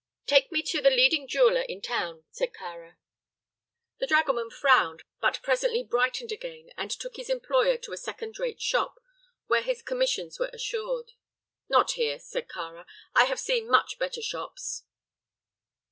"Take me to the leading jeweler in town," said Kāra. The dragoman frowned, but presently brightened again and took his employer to a second rate shop, where his commissions were assured. "Not here," said Kāra. "I have seen much better shops."